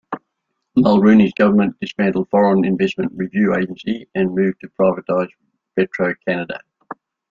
Mulroney's government dismantled Foreign Investment Review Agency and moved to privatize Petro-Canada.